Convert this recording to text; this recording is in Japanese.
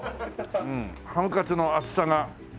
ハムカツの厚さが。